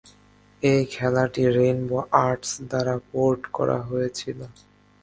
এই খেলাটি Rainbow Arts দ্বারা পোর্ট করা হয়েছিল।